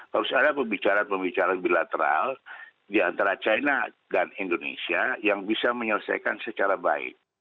harus ada pembicaraan pembicaraan bilateral di antara china dan indonesia yang bisa menyelesaikan secara baik